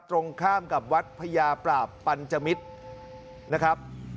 ตรงข้ามกับวัดพญาปราบปัญจมิตรนะครับ